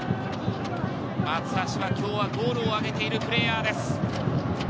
松橋は今日はゴールをあげているプレーヤーです。